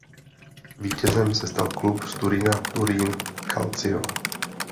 Vítězem se stal klub z Turína Turín Calcio.